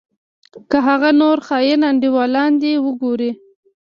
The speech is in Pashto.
که هغه نور خاين انډيوالان دې وګورې.